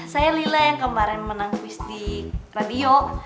saya lila yang kemarin menang quiz di radio